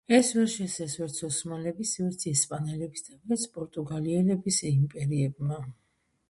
ეს ვერ შესძლეს ვერც ოსმალების, ვერც ესპანელების და ვერც პორტუგალიელების იმპერიებმა.